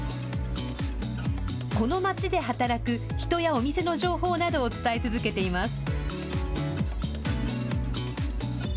この街で働く人やお店の情報などを伝え続けています。